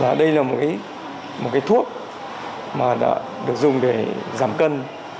và đây là một cái thuốc mà đã được dùng để giảm cân